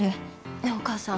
ねぇお母さん